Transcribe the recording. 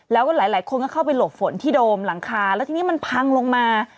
แล้วก็หลายคนก็เข้าไปหลบฝนที่โดมหลังคาแล้วทีนี้มันพังลงมา